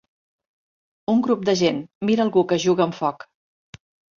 Un grup de gent mira algú que juga amb foc.